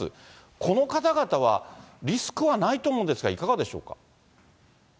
この方々はリスクはないと思うんですが、いかがでしょうか。